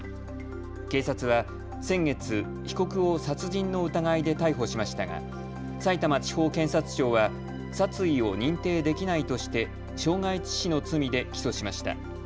警察は先月、被告を殺人の疑いで逮捕しましたがさいたま地方検察庁は殺意を認定できないとして傷害致死の罪で起訴しました。